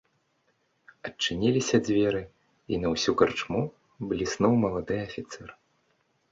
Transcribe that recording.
Адчыніліся дзверы, і на ўсю карчму бліснуў малады афіцэр.